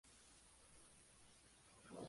Es un fanático del Manchester United.